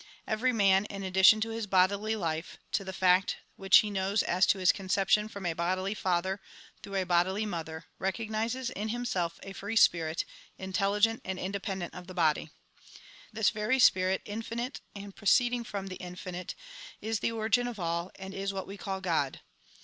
Every man, in addition to his bodily life, to the fact which he knows as to his conception from a bodily father through a bodily mother, recognises in himself a free spirit, intelli gent, and independent of the body. This very Spirit, infinite, and proceeding from the infinite, is the origin of all, and is what we call God.